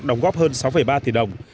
đóng góp hơn sáu ba tỷ đồng